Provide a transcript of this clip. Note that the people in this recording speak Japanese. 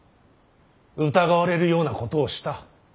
疑われるようなことをした。